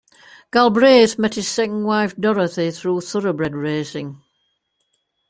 Galbreath met his second wife Dorothy through Thoroughbred racing.